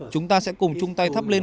chúng ta sẽ cùng chung tay thắp lên